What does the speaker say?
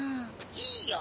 いいよ